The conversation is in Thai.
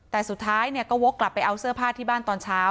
แต่สุดท้ายเนี่ยก็วกกลับไปเอาเสื้อผ้าที่บ้านตอนเช้า